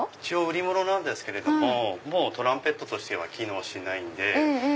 一応売り物なんですけれどももうトランペットとしては機能しないんで。